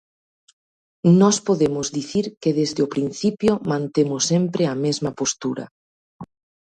Nós podemos dicir que desde o principio mantemos sempre a mesma postura.